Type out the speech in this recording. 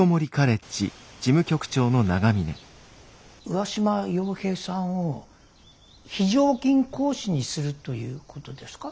上嶋陽平さんを非常勤講師にするということですか？